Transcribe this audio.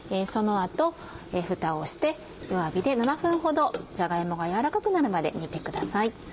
その後ふたをして弱火で７分ほどじゃが芋が軟らかくなるまで煮てください。